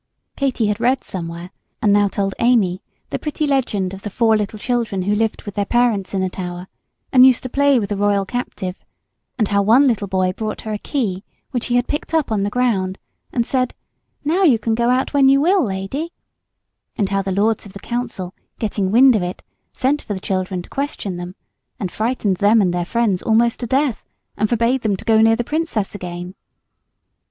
Katy had read somewhere, and now told Amy, the pretty legend of the four little children who lived with their parents in the Tower, and used to play with the royal captive; and how one little boy brought her a key which he had picked up on the ground, and said, "Now you can go out when you will, lady;" and how the Lords of the Council, getting wind of it, sent for the children to question them, and frightened them and their friends almost to death, and forbade them to go near the Princess again.